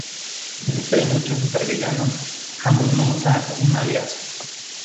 A diferencia de muchos supervillanos, Hammond no usa un alias.